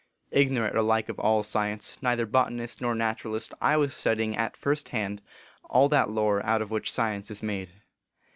Ignorant alike of all science, neither botanist nor naturalist, I was studying at first hand all that lore out of which science is made.